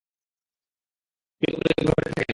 কিন্তু উনি ঘরে থাকে না।